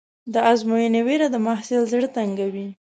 د ازموینې وېره د محصل زړه تنګوي.